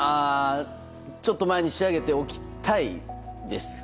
ちょっと前に仕上げておきたいです。